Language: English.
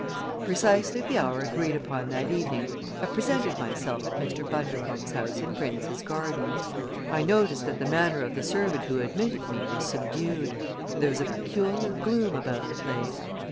At precisely the hour agreed upon that evening I presented myself at Mr. Bundercombe's house in Prince's Gardens. I noticed that the manner of the servant who admitted me was subdued and there was a peculiar gloom about the place.